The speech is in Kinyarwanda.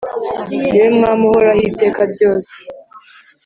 Ni we mwam’uhoraho iteka ryose.